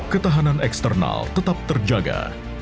ketahanan eksternal tetap terjaga